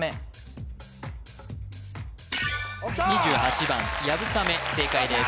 ２８番やぶさめ正解です